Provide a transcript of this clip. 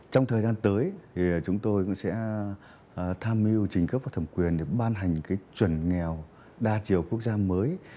trong thời gian tới thì chúng tôi cũng sẽ tham mưu trình cấp và thẩm quyền để ban hành chuẩn nghèo đa chiều quốc gia mới